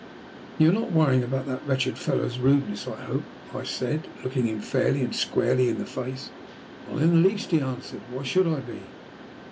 "You are not worrying about that wretched fellow's rudeness, I hope?" I said, looking him fairly and squarely in the face. "Not in the least," he answered. "Why should I be?"